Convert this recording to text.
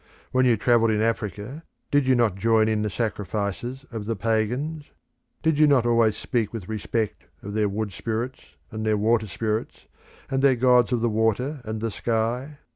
When you travelled in Africa did you not join in the sacrifices of the pagans? Did you not always speak with respect of their wood spirits and their water spirits, and their gods of the water and the sky?